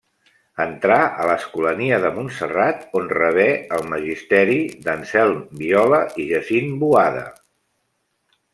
Entrà a l'Escolania de Montserrat, on rebé el magisteri d'Anselm Viola i Jacint Boada.